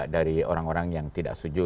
dari orang orang yang tidak setuju